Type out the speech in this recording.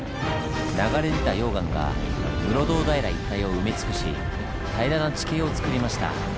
流れ出た溶岩が室堂平一帯を埋め尽くし平らな地形をつくりました。